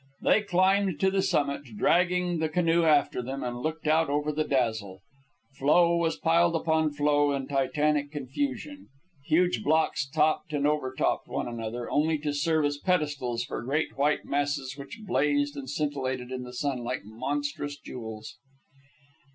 They climbed to the summit, dragging the canoe after them, and looked out over the dazzle. Floe was piled on floe in titanic confusion. Huge blocks topped and overtopped one another, only to serve as pedestals for great white masses, which blazed and scintillated in the sun like monstrous jewels.